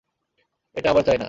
এটা আবার চাই না।